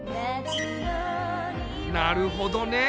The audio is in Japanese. なるほどね。